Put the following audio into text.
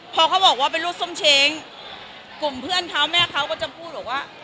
พอเขาบอกว่าเป็นลูกส้มเช้งกลุ่มเพื่อนเขาแม่เขาก็จะพูดบอกว่า